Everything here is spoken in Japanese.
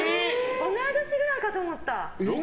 同い年くらいかと思った！